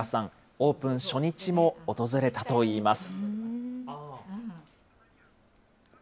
オープン初日も訪れたといいます。